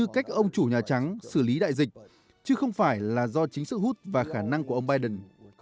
cách ông chủ nhà trắng xử lý đại dịch chứ không phải là do chính sự hút và khả năng của ông biden